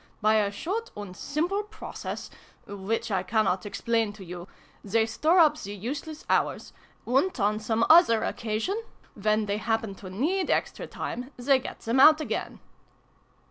By a short and simple process which I cannot explain to you they store up the useless hours : and, on some other occasion, when they happen to need extra time, they get them out again."